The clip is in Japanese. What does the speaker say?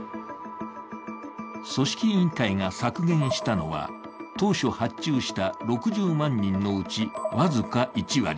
組織委員会が削減したのは当初発注した６０万人のうち僅か１割。